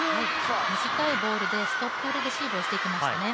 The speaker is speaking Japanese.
短いボールでストップレシーブをしてきましたね。